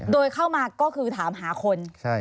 โดยเข้ามาก็คือถามหาคน